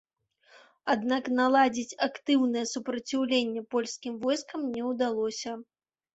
Аднак наладзіць актыўнае супраціўленне польскім войскам не ўдалося.